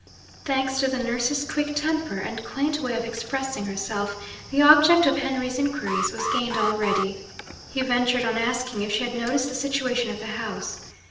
Thanks to the nurse's quick temper and quaint way of expressing herself, the object of Henry's inquiries was gained already! He ventured on asking if she had noticed the situation of the house.